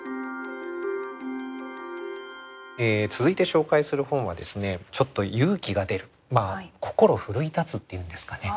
続いて紹介する本はですねちょっと勇気が出るまあ心奮い立つっていうんですかね